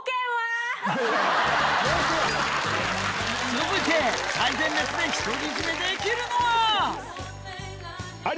続いて最前列で独り占めできるのは？